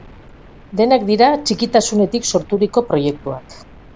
Denak dira txikitasunetik sorturiko proiektuak.